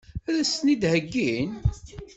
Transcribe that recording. Ad as-ten-id-heggin?